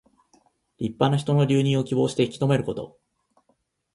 立派な人の留任を希望して引き留めること。